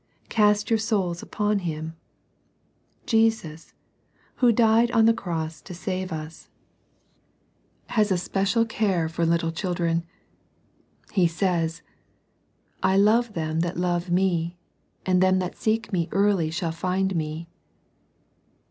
Cast your souls upon Hhn. Jesus, who died on the cross to save us, THE TWO BEARS. 1 9 has a special care for little children. He says, —" I love them that love Me, and them that seek Me early shall find Me."